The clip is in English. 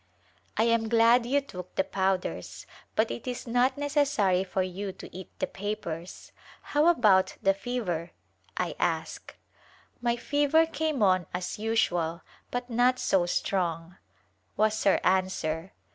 " I am glad you took the powders, but it is not neces sary for you to eat the papers. How about the fever ?" I ask. " My fever came on as usual, but not so strong," was her answer.